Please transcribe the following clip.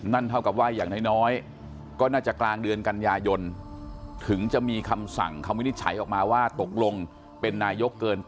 นั่นเท่ากับว่าอย่างน้อย